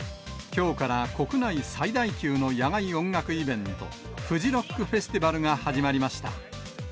きょうから国内最大級の野外音楽イベント、フジロックフェスティバルが始まりました。